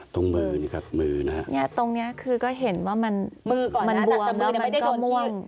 ตรงมือนะครับตรงนี้ก็เห็นว่ามันบวมแล้วมันก็ม่วง